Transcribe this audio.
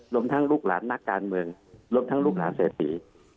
รวมทั้งลูกหลานนักการเมืองรวมทั้งลูกหลานเศรษฐี